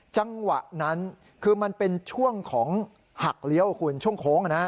จังหวะนั้นคือมันเป็นช่วงของหักเลี้ยวคุณช่วงโค้ง